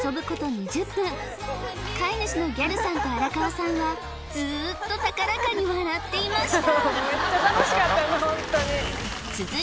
２０分飼い主のギャルさんと荒川さんはずっと高らかに笑っていました